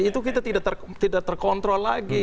itu kita tidak terkontrol lagi